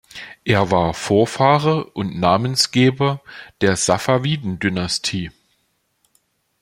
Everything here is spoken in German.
Er war Vorfahre und Namensgeber der Safawiden-Dynastie.